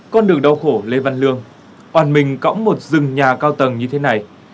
con đường đau khổ lê văn lương oàn mình cõng một rừng nhà cao tầng như thế này